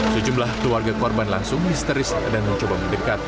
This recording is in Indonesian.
sejumlah keluarga korban langsung histeris dan mencoba mendekat